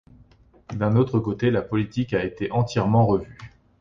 D'un autre côté, la politique a été entièrement revue.